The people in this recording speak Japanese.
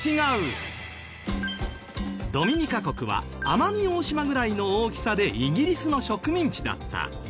ドミニカ国は奄美大島ぐらいの大きさでイギリスの植民地だった。